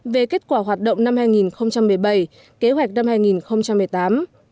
về kết quả hoạt động năm hai nghìn một mươi bảy kế hoạch năm hai nghìn một mươi tám